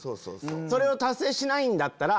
それを達成しないんだったら。